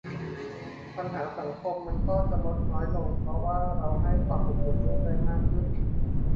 ปัญหาสังคมมันก็จะลดน้อยลงเพราะว่าเราให้ความอบอุ่นลูกได้มากขึ้น